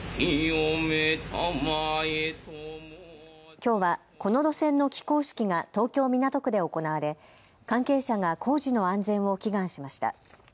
きょうはこの路線の起工式が東京港区で行われ関係者が工事の安全を祈願しました。